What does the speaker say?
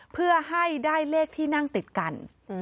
เพื่อให้ได้เลขที่นั่งติดกัน